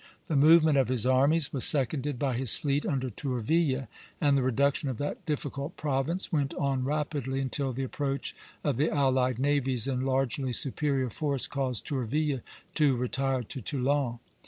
The movement of his armies was seconded by his fleet under Tourville; and the reduction of that difficult province went on rapidly until the approach of the allied navies in largely superior force caused Tourville to retire to Toulon.